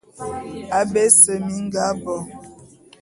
Abé ese mi nga bo.